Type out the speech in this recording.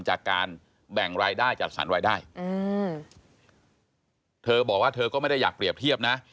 จากการแบ่งรายได้จัดสรรรายได้อืมเธอบอกว่าเธอก็ไม่ได้อยากเปรียบเทียบนะ